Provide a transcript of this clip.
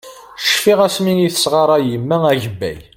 Cfiɣ asmi i yi-tesɣaṛay yemma agemmay.